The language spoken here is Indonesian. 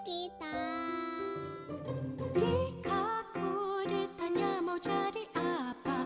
jika aku ditanya mau jadi apa